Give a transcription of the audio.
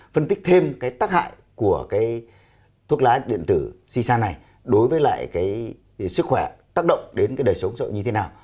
phân tích thêm cái tác hại của cái thuốc lá điện tử cisa này đối với lại cái sức khỏe tác động đến cái đời sống xã hội như thế nào